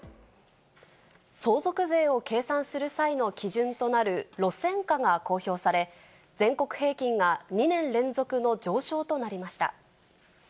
相続税を計算する際の基準となる路線価が公表され、全国平均が２年連続の上昇となりました。